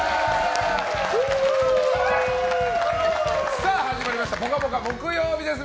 さあ始まりました「ぽかぽか」木曜日です。